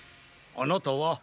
あなたは？